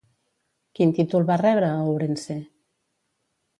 Quin títol va rebre a Ourense?